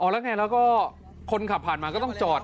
แล้วไงแล้วก็คนขับผ่านมาก็ต้องจอด